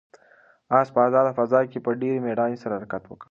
آس په آزاده فضا کې په ډېرې مېړانې سره حرکت وکړ.